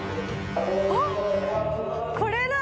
あっこれだ。